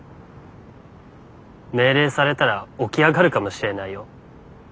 命令されたら起き上がるかもしれないよ。